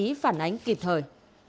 bác sĩ phản ánh kịp thời